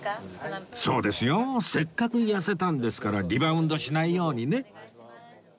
そうですよせっかく痩せたんですからリバウンドしないようにね